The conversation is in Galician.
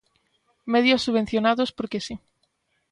Medios subvencionados porque si.